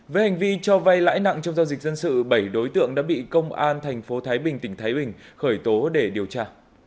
với hành vi cho vay lãi nặng trong giao dịch dân sự bảy đối tượng đã bị công an tp thái bình tỉnh thái bình khởi tố để điều tra